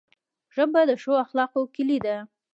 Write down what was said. ژبه د ښو اخلاقو کلۍ ده